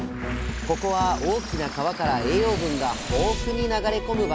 ここは大きな川から栄養分が豊富に流れ込む場所。